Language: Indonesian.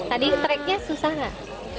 tadi tracknya susah nggak